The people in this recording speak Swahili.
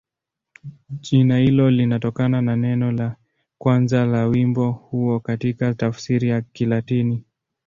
Jina hilo linatokana na neno la kwanza la wimbo huo katika tafsiri ya Kilatini.